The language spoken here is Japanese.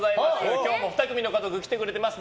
今日は２組の家族が来てくれています。